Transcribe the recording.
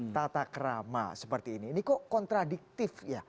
tata kerama seperti ini ini kok kontradiktif ya